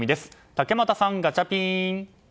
竹俣さん、ガチャピン！